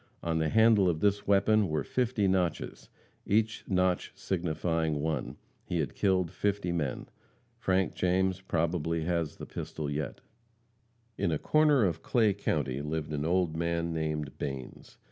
On the handle of this weapon were fifty notches, each notch signifying one. He had killed fifty men. Frank James probably has the pistol yet. In a corner of Clay county lived an old man named Banes.